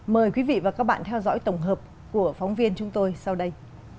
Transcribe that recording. mời quý vị và các bạn theo dõi tổng hợp của phóng viên chúng tôi sau đây